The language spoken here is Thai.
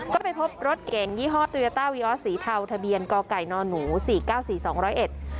ก็ไปพบรถเก๋งยี่ห้อโตยาต้าวีออสสีเทาทะเบียนก่อไก่นอนหนูสี่เก้าสี่สองร้อยเอ็ด